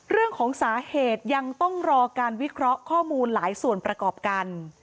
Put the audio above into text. เรื่องของสาเหตุยังต้องรอการวิเคราะห์ข้อมูลหลายส่วนประกอบกัน